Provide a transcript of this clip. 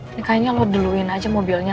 ini kayaknya lo duluin aja mobilnya